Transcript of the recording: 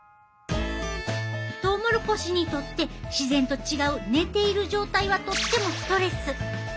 トウモロコシにとって自然と違う寝ている状態はとってもストレス。